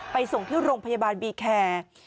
ส่งที่โรงพยาบาลบีแคร์